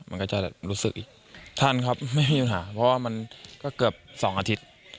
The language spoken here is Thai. มันก็จะรู้สึกทันครับไม่มีปัญหาเพราะว่ามันก็เกือบ๒อาทิตย์